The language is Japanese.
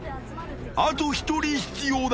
あと１人必要だ。